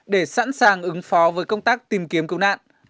để sẵn sàng ứng phó với công tác tìm kiếm cứu nạn